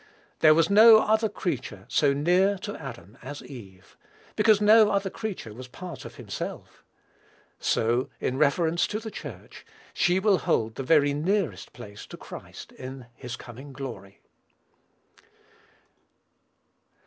There was no other creature so near to Adam as Eve, because no other creature was part of himself. So, in reference to the Church, she will hold the very nearest place to Christ, in his coming glory.